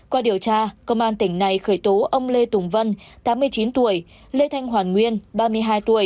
qua điều tra công an tỉnh này khởi tố ông lê tùng vân tám mươi chín tuổi lê thanh hoàn nguyên ba mươi hai tuổi